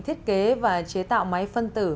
thiết kế và chế tạo máy phân tử